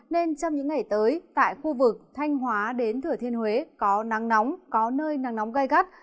nên trong những ngày tới tại khu vực thanh hóa đến thừa thiên huế có nắng nóng có nơi nắng nóng gai gắt